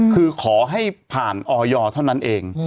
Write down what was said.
คือขอให้ผ่านออยเท่านั้นเอง